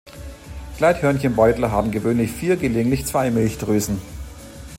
Gleithörnchenbeutler haben gewöhnlich vier, gelegentlich zwei Milchdrüsen.